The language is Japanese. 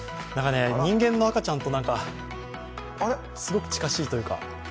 人間の赤ちゃんと、すごく近しいというか。